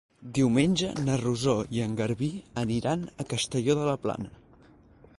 Diumenge na Rosó i en Garbí aniran a Castelló de la Plana.